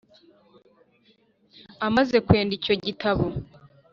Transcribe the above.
Amaze kwenda icyo gitabo,